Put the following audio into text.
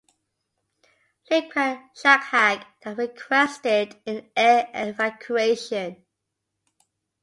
Lipkin-Shahak then requested an air evacuation.